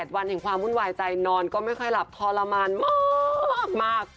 วันแห่งความวุ่นวายใจนอนก็ไม่ค่อยหลับทรมานมาก